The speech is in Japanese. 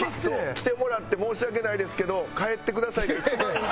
来てもらって申し訳ないですけど帰ってくださいが一番いいと思う。